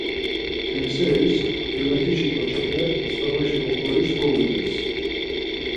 Hem seris hukyumetişi ǩoçepe Mustavaşi oxoris kogules.